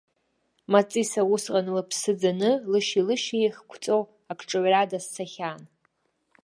Маҵиса усҟан лыԥсы ӡаны, лышьи-лышьи еиқәҵо акҿаҩра дазцахьан.